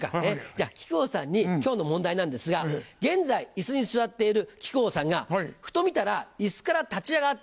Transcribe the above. じゃあ木久扇さんに今日の問題なんですが現在椅子に座っている木久扇さんがふと見たら椅子から立ち上がっていた。